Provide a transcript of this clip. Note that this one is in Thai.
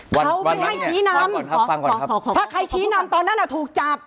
เขาไม่ให้ชี้นำถ้าใครชี้นำตอนนั้นถูกจับ